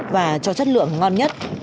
và cho chất lượng ngon nhất